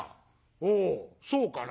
「おおそうかな」。